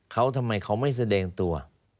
เขาทำไมเขาไม่แสดงตัว